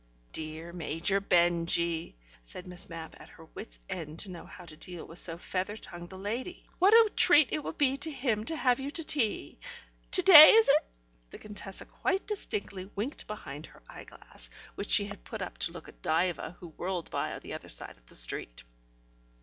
"Dear Major Benjy!" said Miss Mapp, at her wits' end to know how to deal with so feather tongued a lady. "What a treat it will be to him to have you to tea. To day, is it?" The Contessa quite distinctly winked behind her eyeglass, which she had put up to look at Diva, who whirled by on the other side of the street.